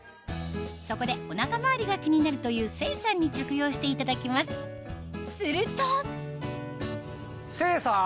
そこでお腹周りが気になるという清さんに着用していただきますすると清さん！